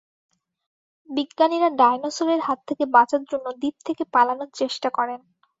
বিজ্ঞানীরা ডাইনোসরের হাত থেকে বাঁচার জন্য দ্বীপ থেকে পালানোর চেষ্টা করেন।